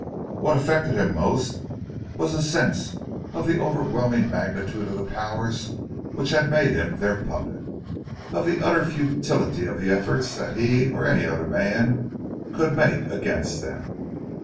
What affected him most was his sense of the overwhelming magnitude of the powers which had made him their puppet; of the utter futility of the efforts that he or any other man could make against them.